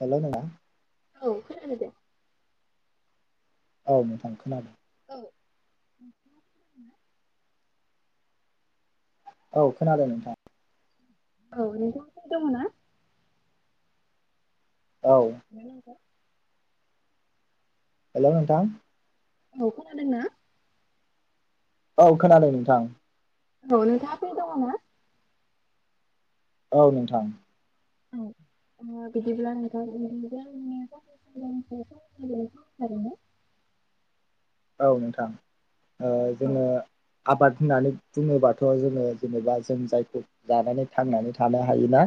Hello [unintelligible] औ खोनादो दे। औ नोंथां खोनादों। [inaudible] औ खोनादों नोंथां। औ नोंथाङा फ्रि दङ ना? औ [unintelligible] हेलौ नोंथां। औ खोनादोंना? औ खोनादों नोंथां। औ नोंथाङा फ्रि दङना? औ नोंथां। ओ बिदिब्ला [unintelligible] औ नोंथां ओ औ जोङो आबाद होननानै बुङोबाथ' जोङो जेनेबा जों जायखौ जानानै थांनानै थानो हायोना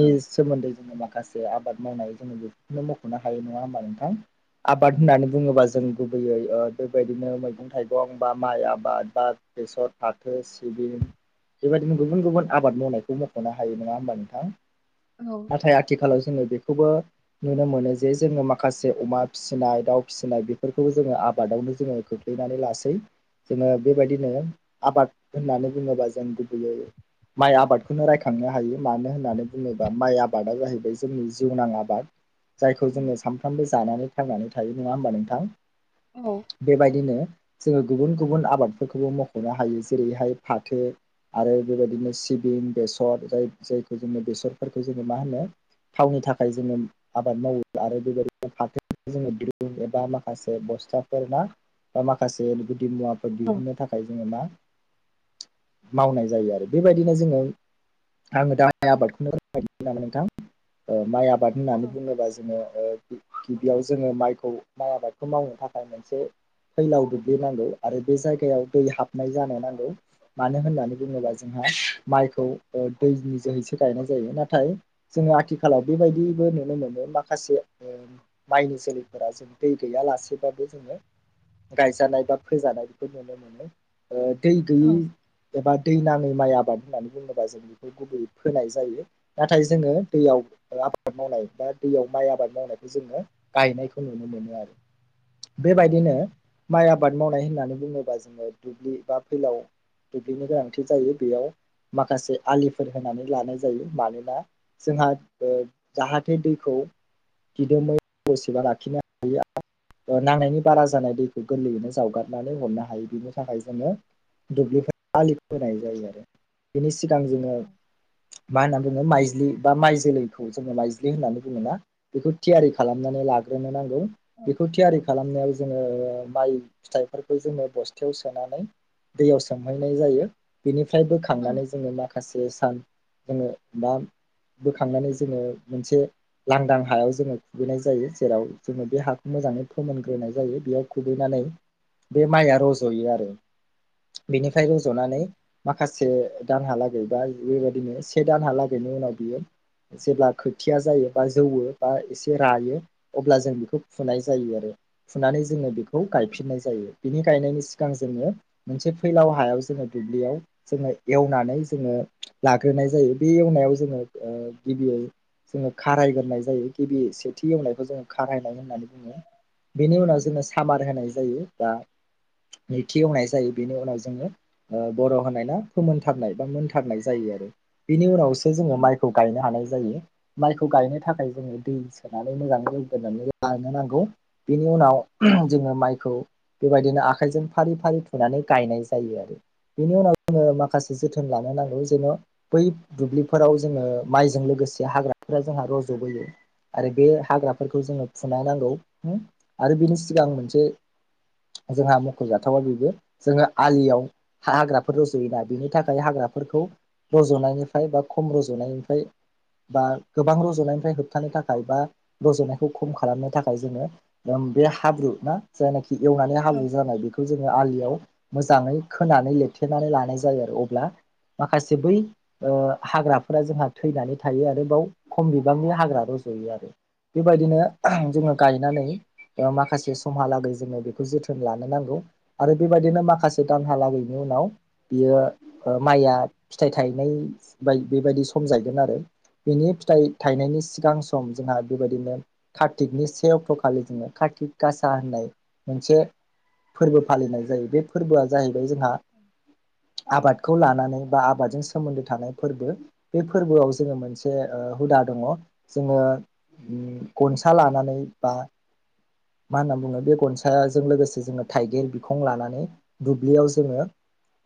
औ सोमोन्दै जोङो माखा माखासे आबाद मावनाय जोङो बेखौनो मख'नो हायो नङा होमबा नोंथां आबाद होननानै बुङोबा जों गुबैयै ओ बेबायदिनो मैगं थाइगं बा माइ आबाद बा बेसर, फाथो, सिबिं बेबायदिनो गुबुन गुबुन आबाद मावनायखौ मख'नो हायो नङा होमबा नोंथां औ नाथाय आथिखालाव जोङो बेखौबो नुनो मोनो जे जोङो माखासे अमा फिसिनाय, दाउ फिसिनाय बेफोरखौबो जोङो आब बादावनो जोङो खोख्लैनानै लासै। जोङो बेबायदिनो आबाद होननानै बुङोबा जों गुबैयै माइ आबादखौनो रायखांनो हायो मानो होननानै बुङोबा माइ आबादा जाहैबाय जोंनि जिउनां आबाद। जायखौ जोङो सानफ्रामबो जानानै थांनानै थायो नङा होमबा नोंथां। औ बेबायदिनो जोङो गुबुन गुबुन आबादफोरखौबो मख'नो हायो जेरैहाय फाथो आरो बेबायदिनो सिबिं बेसर जाय जायखौ जोङो बेसरफोरखौ जोङो मा होनो थावनि थाखाय जोङो आबाद मावो आरो बेबायदिनो फाथो जोङो दिरुं एबा माखासे बस्था फोर मा ओ माखासे गुदि मुवाफोर औ दिहुननो थाखाय जोङो मा मावनाय जायो आरो बेबायदिनो जोङो आङो [unintelligible] ओ नोंथां माइ आबाद होननानै बुङोबा जोङो ओ गिबियाव जोङो माइखौ माइ आबादखौ मावनो थाख आं मोनसे फैलाव दुब्लि नांगौ आरो बे जायगायाव दै हाबनाय जानो नांगौ मानो होनना बुङोबा जोंहा माइखौ ओ दैनि जोहैसो गायनाय जायो नाथाय जोङो आथिखालाव बेबायदिबो नुनो मोनो माखासे माइनि जोलैफोरा जों दै गैया लासे [unintelligible] जोङो गायजानाय बा फोजानाय बेखौ नुनो मोनो। ओ दै गैयै औ एबा दै नाङै माइ आबाद होननानै बुङोबा जों बेखौ गुबै फोनाय जायो नाथाय जोङो दैयाव आबाद मावनाय बा दैयाव माइ आबाद मावनायखौ जोङो गायनायखौ नुनो मोनो आरो। बेबायदिनो माइ आबाद मावनाय होननानै बुङोबा जोङो दुब्लि बा फैलाव दुब्लि गोनांथि जायो बेयाव माखासे आलिफोर होनानै लानाय जायो मानोना जोंहा ओ जाहाथे दैखौ दिदोमै बेसेबा लाखिनो हायो । ओ नांनायनि बारा जानाय दैखौ गोरलैयैनो जावगारनानै हरनो हायो बिनि थाखाय जोङो दुब्लिफोर आलि होनाय जायो आरो बिनि सिगां जोङो मा होन्ना बुङो माइज्लि बा माइ जोलैखौ जोङो माइज्लि होननानै बुङोना बेखौ थियारि खालामनानै लाग्रो नो नांगौ बेखौ थियारि खालामनायाव जोङो ओ माइ फिथाइफोरखौ जोङो बस्थायाव सोनानै दैयाव सोमहैनाय जायो बेनिफ्राय बोखांनानै जोङो मा माखासे सान जोङो दा बोखांनानै जोङो मोनसे लांदां हायाव जोङो खुबैनाय जायो जेराव जोङो बे हा मोजाङै फोमोनग्रोनाय जायो बेयाव खुबैनानै बे माइआ रज'यो आरो। बेनिफ्राय रज'नानै माखासे दानहालागै बा बेबायदिनो से दानहालागैनि उनाव बियो। जेब्ला खोथिया जायो बा जौवो बा एसे रायो अब्ला जों बेखौ फुनाय जायो आरो फुनानै जोङो बेखौ गायफिननाय जायो ।बिनि गायनायनि सिगां जोङो मोनसे फैलाव हायाव जोङो दुब्लियाव जोङो एवनानै जोङो लाग्रोनाय जायो बे जोङो गिबियै। जोङो खारायग्रोनाय जायो गिबि सेथि एवनायखौ जोङो खारायनाय होननानै बेनि उनाव जोङो सामार होनाय जायो बा नैथि एवनाय जायो बेनि उनाव जोङो बर' होनायनाा फोमोनथारनाय बा मोनथारनाय जायो आरो बेनि उनावसो जोङो माइखौ गायनो हानाय जायो। माइखौ गायनो थाखाय जोङो दै सोनानै मोजाङै जौगोननानै लानो होनांगौ बिनि उनाव जोङो माइखौ बेबायदिनो आखाइजों फारि फारि थुनानै गाय गायनाय जायो आरो। बेनि उनाव जोङो माखासे जोथोन लानो नांगौ जेन' बै दुब्लिफोराव जोङो माइजों लो गोसे हाग्राफोरा जोंहा रज'बोयो आरो बे हाग्राफोरखौ जोंङो बुंनो नांगौ आरो बिनि सिगां मोनसे जोंहा मख'जाथावा बेबो जोङो आलियाव हाग्राफोर रज'योना बेनि थाखाय हाग्रा हाफोरखौ रज'नायनिफ्राय बा खम रज'नायनिफ्राय बा गोबां रज'नायनिफ्राय होबथानो थाखाय बा रज'नायखौ खम खालामनो थाखाय जोङो बे हाब्रु ना जायनाखि एवनानै हाब्रु जानाय बेखौ जोङो आलियाव मोजाङै खोनानै लिरथेनानै लानाय जायो आरो अब्ला माखासे बै ओ हाग्राफोरा जोंहा थैनानै थायो आरो बाव खम बिबांनि हाग्रा र रजयो आरो। बेबायदिनो जोङो गायनानै माखासे समहालागै जोङो बेखौ जोथोन लानो नांगौ आरो बेबायदिनो माखासे दानहालागै उनाव बियो माइया फिथाइ थायनाय बा बेबायदि सम जाहैगोन आरो बेनि फिथाइ थायनायनि सिगां सम जोंहा बेबायदिनो काथिकनि से अक्ट' खालि जोङो काथिक आसा होननाय मोनसे फोरबो फालिनाय जायो बे फोरबोआ जाहैबाय जोंहा आबादखौ लानानै बा आबादजों सोमोन्दो थानाय फोरबो बे फोरबोआव जोङो मोनसे ओ ओ हुदा दङ जोङो गनसा लानानै बा मा होनना बुङो बे गनसाजों लोगोसे जोङो थाइगिर बिखं लानानै दुब्लियाव जोङो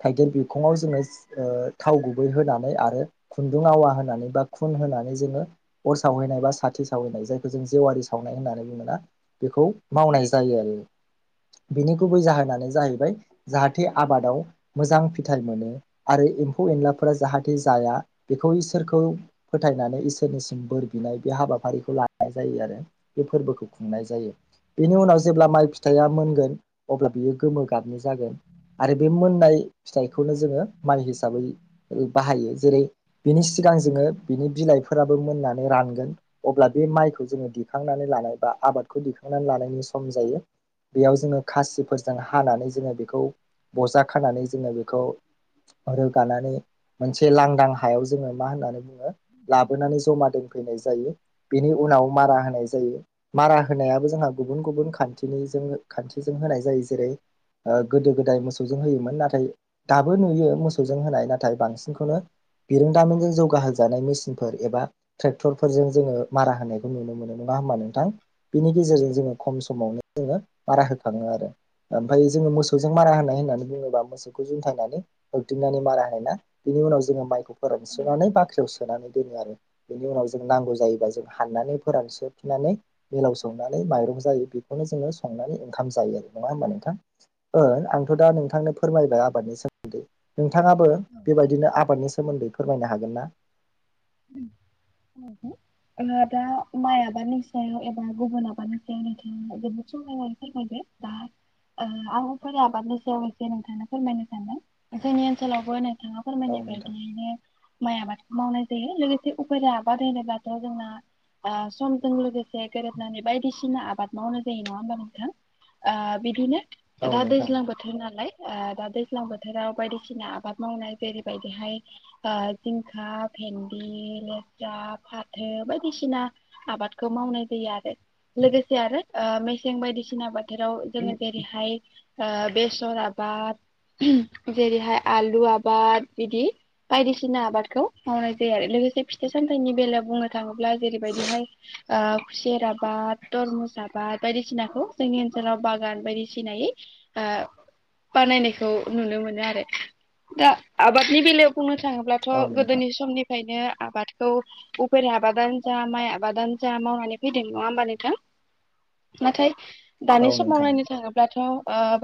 थाइगिर बिखङाव जोङो ओ थाव गुबै होनानै आरो खुन्दुं आवा होनानै बा खु होननानै जोङो अर सावहैनाय बा साखो सावनाय जायो जों जेवारि सावनाय होननानै बुङा बेखौ मावनाय जायो आरो। बिनि गुबै जाहोनानो जाहैबाय जाहाथे आबादाव मोजां फिथाइ मोनो आरो एम्फौ एनलाफोरा जाहाथे जाया बेखौ इसोरखौ फोथायनानै इसोरनिसिम बोर बिनाय बे हाबाफारिखौ लानाय जायो आरो बे फोरबोखौ खुंनाय जायो। बेनि उनाव जेब्ला माइ फिथाइया मोनगोन अब्ला बियो गोमो गाबनि जागोन। आरो बे मोननाय फिथाइखौनो जोङो मान हिसाबै बाहायो जेरै बिनि सि सिगां जोङो बिनि बिलाइफोराबो मोननानै रानगोन अब्ला बे माइखौ जोङो दिखांनानै लानाय बा आबादखौ दिखांनानै लानायनि सम जायो। बेयाव जोङो खासिफोरजों हानानै जोङो बेखौ बजा खानानै जोङो बेखौ रोगानानै मोनसे लांदां हायाव जोङो मा होननानै बुङो ओ लाबोनानै जमा दोनफैनाय जायो। बिनि उनाव मारा होनाय जायो मारा होनायाबो जोंहा गुबुन गुबुन खान्थिनिजों खान्थिजों होनाय जायो जेरै ओ गोदो गोदाय मोसौजों होयोमोन नाथाय दाबो नुयो मोसौजों होनाय नाथाय बांसिनखौनो बिरोंदामिजों जौगाहोजानाय मेसिनफोर एबा ट्रेक्टरफोरजों जोङो मारा होनायखौ नुनो मोनो नङा होमा नोंथां। बिनि गेजेरजों जोङो खम समावनो जोङो मारा होखाङो । ओ ओमफ्राय जोङो मोसौजों मारा होनाय होननानै बुङोबा मोसौखौ जुन्थायनानै होबथिंनानै मारा होनाय बिनि उनाव जोङो माइखौ फोरानस्रोनानै बाख्रियाव सोनानै दोनो आरो बेनि उनाव जों नांगौ जायोब जों हाननानै फोरानसोफिननानै मिलाव संनानै माइरं जायो बेखौनो जोङो संनानै ओंखाम जायो आरो नङा हबा नोंथां ओ आंथ' दा नोंथांनो फोरमायबाय आबादनि सोमोन्दै [inaudible] नोंथाङाबो बेबायदिनो आबादनि सोमोन्दै फोरमायनो हागोन ना [inaudible] ओ दा माइ आबनि सायाव एबा गुबुन आबादनि सायाव नोंथाङा जोबोद समहायनानै फोरमायबाय दा ओ आंफोर आबादनि सायाव एसे नोंथांनो फोरमायनो सानदों जोंनि ओनसोलावबो बिथाङा औ फोरमायनाय नोंथां बायदिहैनो माइ आबादखौ मावनाय जायो लोगोसे फोरा आबाद होनोबथ' जोंना ओ समजों लोगोसे गोरोबनानै बायदिसिना आबाद मावनाय जायो नङा होमबा नोंथां ओ बिदिनो औ दा नोंथां दैज्लां बोथोर नालाय ओ दा दैज्लां बोथोराव बायदिसिना आबाद मावनाय जेरैबायदिहाय ओ जिंखा भिन्दी [unintelligible] [unintelligible] फाथो बायदिसिना आबादखौ मावनाय जायो आरो लोगोसे आरो ओ मेसें बायदिसिना बोथोराव जोङो जेरैहाय ओ बेसर आबाद [unintelligible] जेरैहाय आलु आबाद बिदि बायदिसिना आबादखौ मावनाय जायो आरो लोगोसे फिथाइ सामथाइनि बेलायाव बुंनो थाङोब्ला जेरैबायदिहाय ओ खुसेरा बाद थरमुस आबाद बायदिसिनाखौ जोंनि ओनसोलाव बागान बायदिसिनायै ओ बानायनायखौ नुनो मोनो आरो दा आबादनि बेलायाव फंनैसो बुंनो थाङोब्लाथ' औ नोंथां गोदोनि समनिफायनो आबादखौ उफेर आबादानो जा माइ आबादानो जा मावनानै फैदों नङा होमबा नोंथां नाथाय दानि औ समाव नोंथां नायनो थाङोब्लाथ' ओ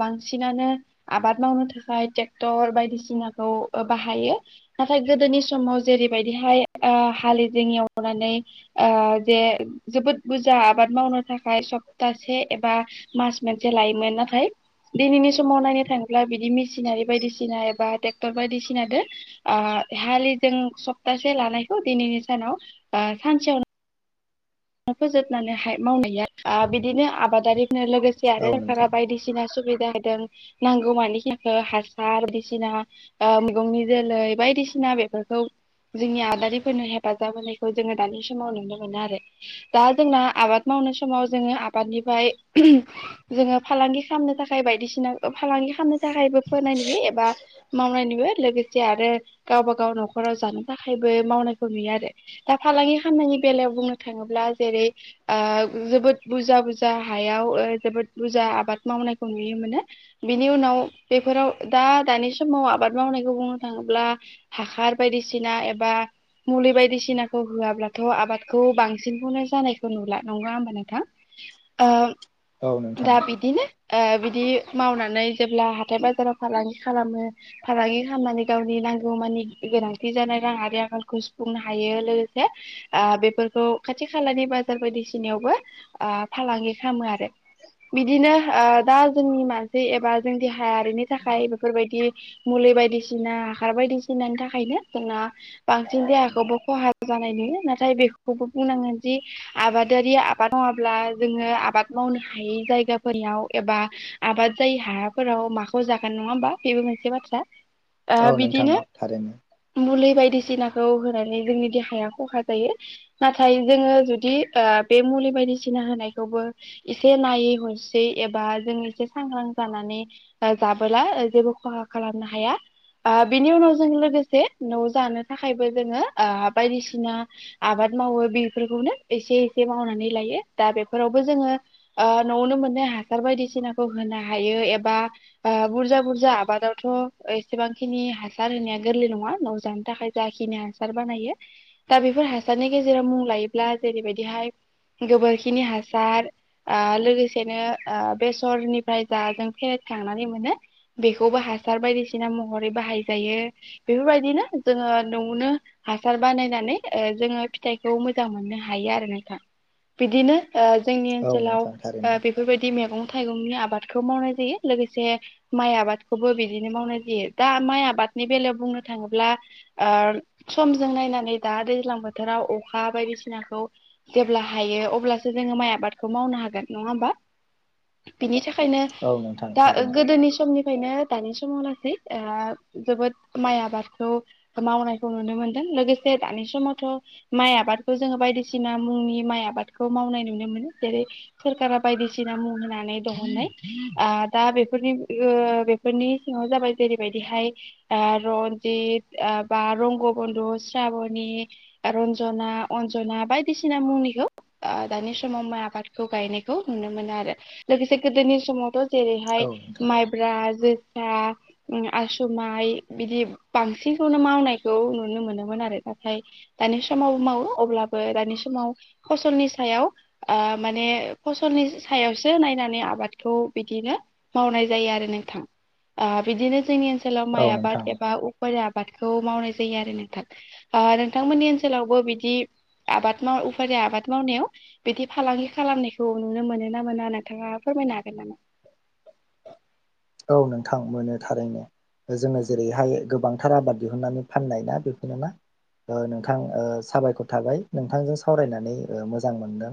बांसिनानो आबाद मावनो थाखाय ट्रेक्टर बायदिसिनाखौ ओ बाहायो नाथाय गोदोनि समाव जेरैबायदिहाय ओ हालि जों एवनानै ओ जे जोबोद बुरजा आबाद मावनो थाखाय सपताहसे एबा मास मोनसे लायोमोन नाथाय दिनैनि समाव नायनो थाङोब्ला बिदि मेसिनारि बायदिसिना एबा टेक्टर बायदिसिना दो ओ हालि जों सप्तासे लानायखौ दिनैनि सानाव ओ सानसेयाव फोजोबनानैहाय मावनाया ओ बिदिनो आबादारि [inaudible] लोगोसे आरो औ सोरकारा नोंथां बायदिसिना सुबि दा होदों नांगौ [inaudible] हासार [inaudible] सिना ओ मेगंनि जोलै बायदिसि ना बेफोरखौ जोंनि आदारिफोरनो हेफाजाब होनायखौ जोङो दानि समाव नुनो मोनो आरो दा जोंना आबाद मावनाय समाव जोङो आबादनिफाय [unintelligible] जोङो फालांगि खामनो थाखाय बायदिसिना ओ फालांगि खामनो थाखायबो फोनाय नुयो एबा मावनाय नुयो लोगोसे आरो गावबा गाव न'खराव जानो थाखायबो मावनायखौ नुयो आरो दा फालांगि खामानायनि बेलायाव बुंनो थाङोब्ला जेरै ओ जोबोद बुरजा बुरजा हायाव ओ जोबोद बुरजा आबाद माव नायखौ नुयो मोनो बिनि उनाव बेफोराव दा दानि समाव आबाद मावनायखौ बुंनो थाङोब्ला हाखार बायदिसिना एबा मुलि बायदिसिना होआब्लाथ' आबादखौ बां सिनखौनो जानायखौ नुला नंङा होमब नोंथां औ ओ नोंथां दा बिदिनो ओ बिदि मावनानै जेब्ला हाथाय बाजाराव फालांगि खालामो फालांगि खामनानै गावनि नांगौ मानि गोनांथि जानाय रां आरि आंखालखौ सुफुंनो हायो लोगोसे ओ बेफोरखौ खाथि खालानि बाजार बायदिसिनायावबो ओ फालांगि खामो आरो बिदिनो ओ दा जोंनि मानसि एबा जोंनि देहायारिनि थाखाय बेफोरबायदि मुल बायदिसिना हाखार बायदिसिनानि थाखायनो जोंना बांसिन देहाखौबो खहा जानाय नुयो नाथाय बेखौबो बुंनांगोन जि आबादारि आबाद मावाब्ला जोङो आबाद मावनो हायै जायगाफोरनियाव एबा आबाद जायि हाफोराव माखौ जागोन नङा होमबा बेबो मोनसे बाथ्रा । औ ओ नोंथां बिदिनो थारैनो मुलि बायदिसिनाखौ होनानै जोंनि देहाया खहा जायो नाथाय जोङो जुदि ओ बे मुलि बायदिसिना होनायखौबो एसे नायै हरसै । एबा जों एसे सांग्रां जानानै ओ जाबोला ओ जेबो खहा खालामनो हाया ओ बिनि उनाव जों लोगोसे न'आव जानो थाखायबो जोङो ओ बायदिसिना आबाद मावो बेफोरखौनो एसे एसे मावनानै लायो दा बेफोरावबो जोङो ओ न'आवनो मोननाय हा सार बायदिसिनाखौ होनो हायो एबा ओ बुरजा बुरजा आबादावथ' एसेबांखिनि नि हासार होनाया गोरलै नङा नआव जानो थाखाय जाखिनि हासार बानायो दा बेफोर हा [unintelligible] गेजेराव मुं लायोब्ला जेरैबायदिहाय गोबोरखिनि हासार ओ लोगोसेनो ओ बेसरनिफ्राय जा जों फ्रेस खांनानै मोनो बेखौबो हासार बायदिसिना महरै बाहाय जायो बेफोरबायदिनो जोङो न'आवनो हासार बानायनानै ओ जोङो फिथाइखौ मोजां मोननो हायो आरो नोंथां बिदिनो ओ जोंनि औ ओनसोलाव नोंथां थारैनो बेफोरबायदि मैगं थाइगंनि आबादखौ मावनाय जायो लोगोसे माइ आबादखौबो बिदिनो मावनाय जायो दा माइ आबाद बेलायाव बुंनो थाङोब्ला समजों नायनानै दा दैज्लां बोथोराव अखा बायदिसिनाखौ जेब्ला हायो अब्लासो जोङो माइ आबादखौ मावनो हागोन। नङा होमबा? [inaudible] बिनि थाखायनो औ नोंथां दा थारैनो गोदोनि समनि खायनो दानि समाव जोबोद माइ आबादखौ मावनायखौ नुनो मोनदों। लोगोसे दानि समावथ' माइ आबादखौ जोङो बायदिसिना मुंनि माइ आबादखौ मावनाय नुनो मोनो जेरै सोरखारा बायदि बायदिसिना मुं होनानै दिहुननाय ओ दा बेफोरनि ओ बेफोरनि सिङाव जाबाय जेरै बिदिहाय ओ रनजित बा रंग, बन्धु, स्राबनि रन्जना अन्जना बायदिसिना मुनिखौ दानि समाव माइ आबादखौ गायनायखौ नुनो मोनो आरो लोगोसे गोदोनि समावथ' जेरैहाय औ नोंथां माइब्रा आसुमाइ बिदि बांसिनखौनो मावनायखौ नुनो मोनोमोन आरो। ओमफ्राय दानि समाव मावो अब्लाबो दानि समाव फसलनि सायाव ओ माने फसल नि सायावसो नायनानै आबादखौ बिदिनो मावनाय जायो आरो नोंथां। आ बिदिनो जोंनि ओनसोलाव माइ औ आबाद नोंथां एबा उफेरा आबादखौ मावनाय जायो आरो नोंथां। नोंथांमोननि ओनसोलावबो बिदि आबाद माव उफारिया आबाद मावनायाव बिदि फालांगि खालामनायखौ नुनो मोनो ना मोना नोंथाङा फोरमायनो हागोन नामा? [inaudible] नोंथां मोनो थारैनो जोङो जेरैहाय गोबां आबाद दिहुननानै फाननाय ना बेखौनोना नोंथां साबायखर थाबाय नोंथांजों सावरायनानै मोजां मोनदों।